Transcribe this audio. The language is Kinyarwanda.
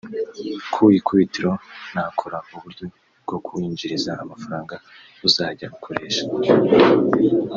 Ku ikubitiro nakora uburyo bwo kuwinjiriza amafaranga uzajya ukoresha